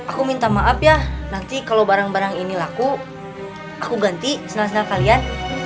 aku minta maaf ya nanti kalau barang barang ini laku aku ganti senang senang kalian